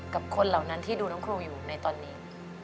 กับคนเหล่านั้นที่ดูน้องครูอยู่ในตอนนี้